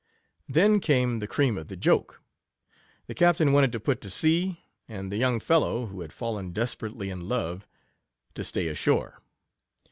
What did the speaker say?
Then came the cream of the joke : the cap tain w r anted to put to sea, and the young fel 14 low, who had fallen desperately in love, to stay ashore.